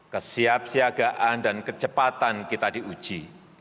kesiapsiagaan dan kecepatan kita diuji